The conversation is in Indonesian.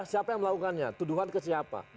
siapa yang melakukannya tuduhan ke siapa